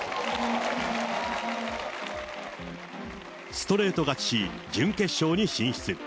ストレート勝ちし、準決勝に進出。